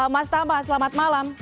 mas tama selamat malam